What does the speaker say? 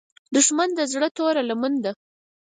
دښمن د زړه توره لمن ده